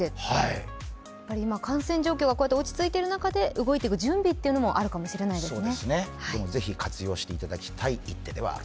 感染状況が落ち着いている中で動いていく準備ということもあるかもしれませんね。